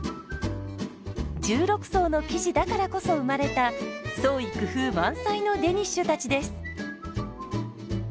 １６層の生地だからこそ生まれた創意工夫満載のデニッシュたちです。